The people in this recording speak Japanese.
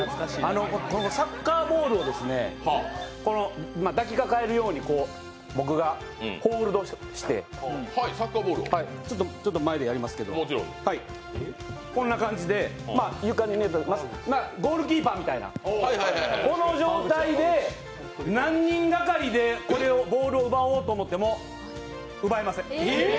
サッカーボールを抱きかかえるように、僕がホールドして、ちょっと前でやりますけど、こんな感じでゴールキーパーみたいなこの状態で何人がかりでボールを奪おうと思っても奪えません。